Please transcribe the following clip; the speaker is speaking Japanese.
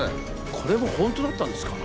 これも本当だったんですか？